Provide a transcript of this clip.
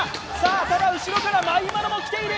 ただ後ろからまゆまろも来ている！